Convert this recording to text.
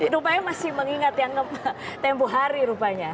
rupanya masih mengingat ya tempuh hari rupanya